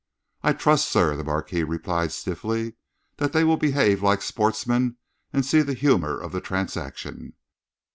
"I trust, sir," the Marquis replied stiffly, "that they will behave like sportsmen and see the humour of the transaction."